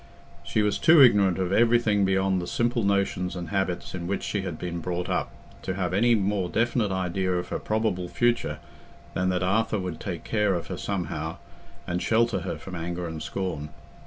She was too ignorant of everything beyond the simple notions and habits in which she had been brought up to have any more definite idea of her probable future than that Arthur would take care of her somehow, and shelter her from anger and scorn.